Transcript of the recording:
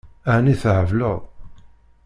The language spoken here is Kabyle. Ɛni thebleḍ?